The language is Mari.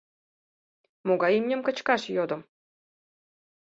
«Могай имньым кычкаш?» — йодым.